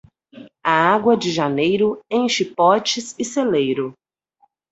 A água de janeiro enche potes e celeiro.